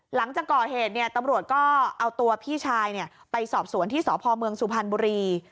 หลังจากก่อเหตุตำรวจก็เอาตัวพี่ชายไปสอบสวนที่สพเมืองสุพรรณบุรี